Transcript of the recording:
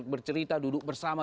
bercerita duduk bersama